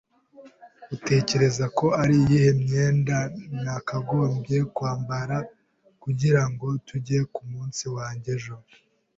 Utekereza ko ari iyihe myenda nakagombye kwambara kugirango tujye kumunsi wanjye ejo?